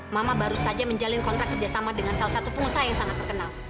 mama baru saja menjalin kontrak kerjasama dengan salah satu pengusaha yang sangat terkenal